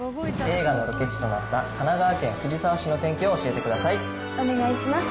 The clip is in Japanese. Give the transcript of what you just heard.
映画のロケ地となった、神奈川県藤沢市の天気を教えてくださお願いします。